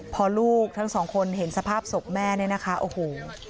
พอลูกทั้งสองคนเห็นสภาพศพแม่เนี่ยนะคะโอ้โห